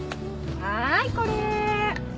はいこれ。